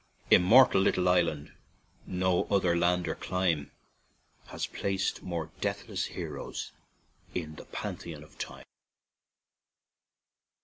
" Immortal little island ! no other land or clime Has placed more deathless heroes in the Pantheon of Time."